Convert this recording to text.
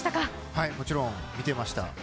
はい、もちろん、見ていました。